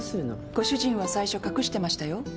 ご主人は最初隠してましたよ